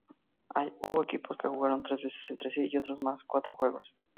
Hubo equipos que jugaron tres veces entre sí y otros más cuatro juegos.